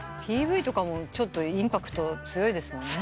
ＰＶとかもちょっとインパクト強いですもんね。